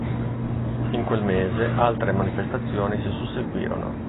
In quel mese altre manifestazioni si susseguirono.